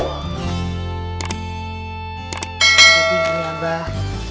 jadi ini abah